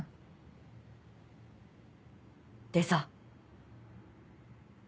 でさ。